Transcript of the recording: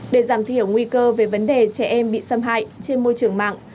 để giảm thiểu nguy cơ về vấn đề trẻ em bị xâm hại trên môi trường mạng